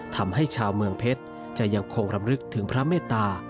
ทำให้ชาวเมืองเพชรจะยังคงรำลึกถึงพระเมตตา